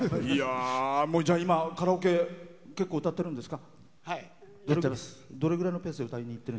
今、カラオケ結構、歌ってるんですか？